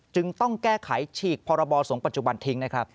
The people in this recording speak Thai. จึงต้องแก้ไขฉีกพรบสงฆ์ปัจจุบันทิ้งนะครับ